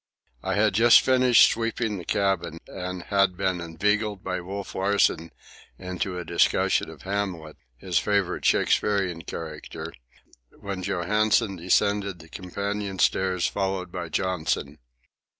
I had just finished sweeping the cabin, and had been inveigled by Wolf Larsen into a discussion of Hamlet, his favourite Shakespearian character, when Johansen descended the companion stairs followed by Johnson.